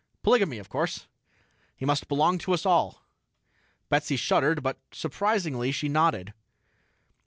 "Polygamy, of course. He must belong to us all." Betsy shuddered but, surprisingly, she nodded.